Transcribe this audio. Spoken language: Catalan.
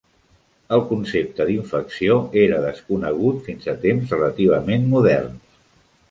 El concepte d'infecció era desconegut fins a temps relativament moderns.